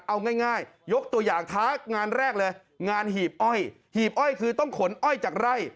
เอาง่ายยกตัวอย่างท้างานแรกเลยงานหีบอ้อยหีบอ้อยคือต้องขนอ้อยจากไร่